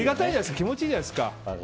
気持ちいいじゃないですか。